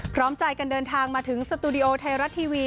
พร้อมใจกันเดินทางมาถึงสตูดิโอไทยรัฐทีวี